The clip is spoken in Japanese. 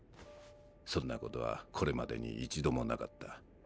そんなことはこれまでに一度もなかった。